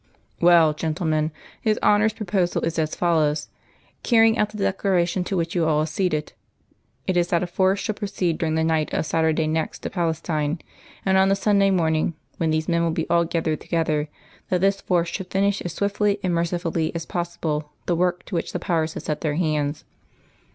"Well, gentlemen, His Honour's proposal is as follows, carrying out the Declaration to which you all acceded. It is that a force should proceed during the night of Saturday next to Palestine, and on the Sunday morning, when these men will be all gathered together, that this force should finish as swiftly and mercifully as possible the work to which the Powers have set their hands.